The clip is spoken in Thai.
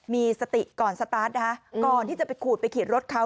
มีสติก่อนสตาร์ทนะคะก่อนที่จะไปขูดไปขีดรถเขา